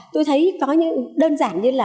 tôi thấy có những đơn giản như là